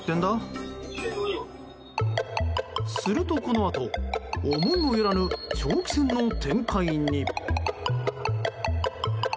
すると、このあと思いもよらぬ長期戦の展開に。